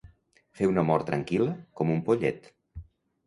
Fer una mort tranquil·la, com un pollet.